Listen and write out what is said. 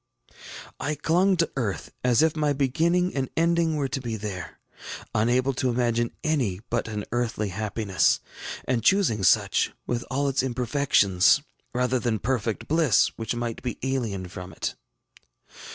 I clung to earth as if my beginning and ending were to be there, unable to imagine any but an earthly happiness, and choosing such, with all its imperfections, rather than perfect bliss which might be alien from it.